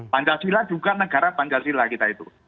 pancasila juga negara pancasila kita itu